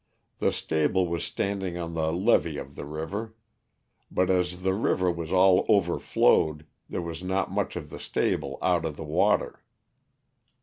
The stable was standing on the levee of the river, but as the river was all overflowed there was not much of the stable out of the water.